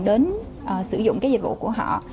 đến sử dụng dịch vụ của họ